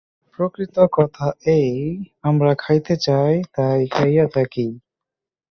প্রকৃত কথা এই, আমরা খাইতে চাই, তাই খাইয়া থাকি।